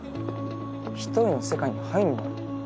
一人の世界に入んなよ。